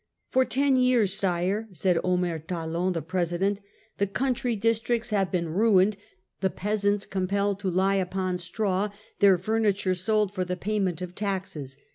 'For ten years, sire/ said country. Omer Talon, the president, 'the country dis tricts have been ruined, the peasants compelled to lie upon straw, their furniture sold for the payment of taxes.